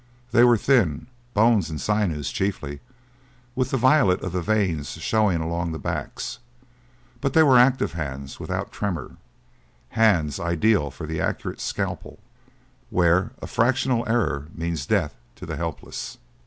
They were thin bones and sinews chiefly, with the violet of the veins showing along the backs; but they were active hands without tremor hands ideal for the accurate scalpel, where a fractional error means death to the helpless.